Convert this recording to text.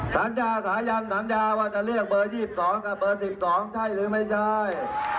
สัญญาสายันสัญญาว่าจะเรียกเบอร์๒๒กับเบอร์๑๒ใช่หรือไม่ใช่